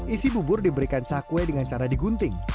isi bubur diberikan cakwe dengan cara digunting